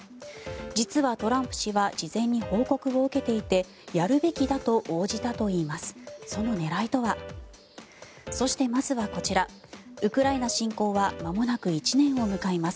実はトランプ氏は事前に報告を受けていてやるべきだと応じたといいます。